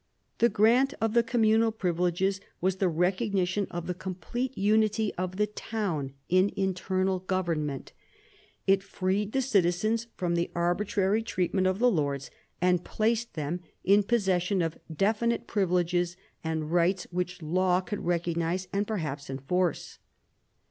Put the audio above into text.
The grant of the communal privileges was the recogni tion of the complete unity of the town in internal government. It freed the citizens from the arbitrary treatment of the lords, and placed them in possession of definite privileges and rights which law could recognise and perhaps enforce.